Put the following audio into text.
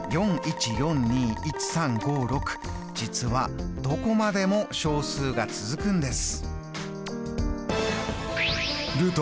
実はどこまでも小数が続くんです。